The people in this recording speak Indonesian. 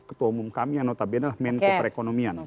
ketua umum kami yang notabene adalah menko perekonomian